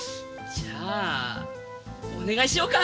じゃあお願いしようか。